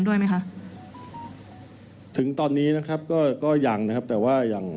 ด้วยไหมคะถึงตอนนี้นะครับก็ก็ยังนะครับแต่ว่าอย่าง